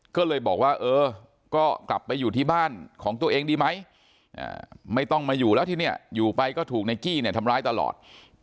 ก็เลยบอกว่าเออก็กลับไปอยู่ที่บ้านของตัวเองดีไหมไม่ต้องมาอยู่แล้วที่เนี่ยอยู่ไปก็ถูกนายกี้เนี่ยทำร้ายตลอด